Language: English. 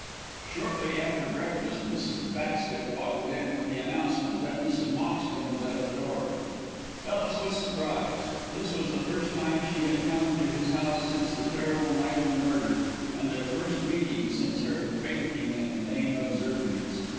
Shortly after breakfast Mrs. Basket waddled in with the announcement that Mrs. Moxton was at the door. Ellis was surprised. This was the first time she had come to his house since the terrible night of the murder, and their first meeting since her fainting at the name of Zirknitz.